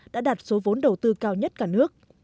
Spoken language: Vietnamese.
đã đạt số vốn đầu tư cao nhất cả nước